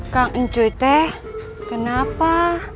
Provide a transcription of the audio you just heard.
kau mencoy teh kenapa